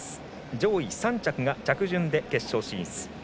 上位３着が着順で決勝進出。